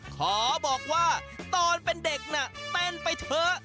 ขอบอกว่าตอนเป็นเด็กน่ะเต้นไปเถอะ